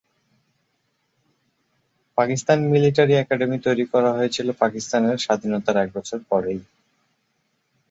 Pakistan military academy তৈরি করা হয়েছিলো পাকিস্তানের স্বাধীনতার এক বছর পরেই।